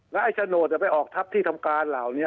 และไอ่ชะโนจะไปออกทัพที่ทำการเหล่านี้